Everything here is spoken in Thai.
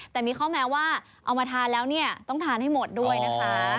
แต่มีข้อแม้ว่าเอามาทานแล้วเนี่ยต้องทานให้หมดด้วยนะคะ